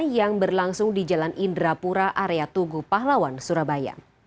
yang berlangsung di jalan indrapura area tugu pahlawan surabaya